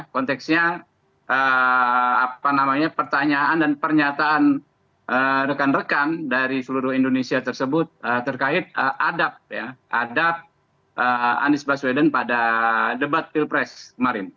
konteksnya pertanyaan dan pernyataan rekan rekan dari seluruh indonesia tersebut terkait adab ya adab anies baswedan pada debat pilpres kemarin